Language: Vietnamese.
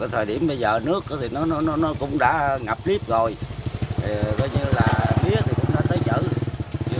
thời điểm bây giờ nước cũng đã ngập nếp rồi mía cũng đã tới chữ